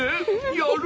やる！